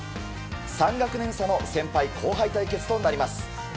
３学年差の先輩・後輩対決となります。